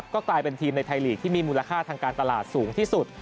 ก็กลายเป็นทีมในไทยลีกที่มีมูลค่าทางการตลาดสูงที่สุด